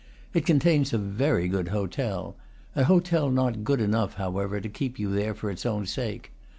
It con tains a very good hotel, an hotel not good enough, however, to keep you there for its own sake.